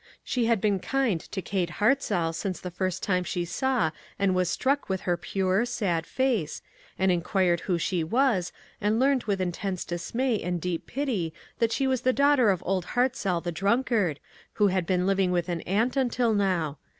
She had been kind to Kate Hartzell since the first time she saw and was struck with her pure, sad face, and inquired who she was, and learned with intense dismay and deep pity that she was the daughter of Old Hartzell the drunk ard, who had been living with an aunt un til now.